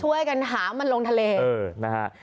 ช่วยกันหามันลงทะเลนะฮะ